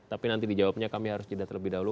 tapi nanti dijawabnya kami harus cedat lebih dahulu